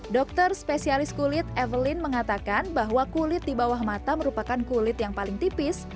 dokter spesialis kulit evelyn mengatakan bahwa kulit di bawah mata merupakan kulit yang paling tipis